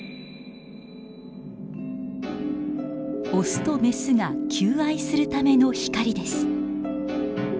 雄と雌が求愛するための光です。